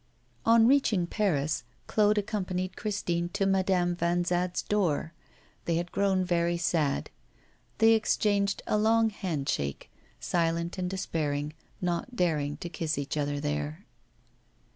On reaching Paris, Claude accompanied Christine to Madame Vanzade's door. They had grown very sad. They exchanged a long handshake, silent and despairing, not daring to kiss each other there.